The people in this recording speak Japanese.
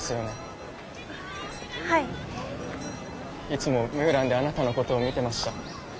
いつもムーランであなたのことを見てました。